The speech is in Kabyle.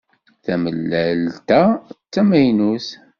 Tamellalt-a d tamaynut.